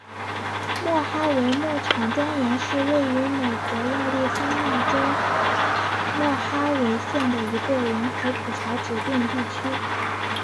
莫哈维牧场庄园是位于美国亚利桑那州莫哈维县的一个人口普查指定地区。